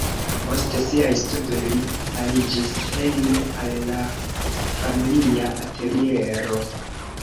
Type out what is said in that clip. Post siaj studoj li aliĝis hejme al la familia ateliero.